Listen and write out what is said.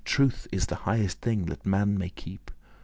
Truth is the highest thing that man may keep."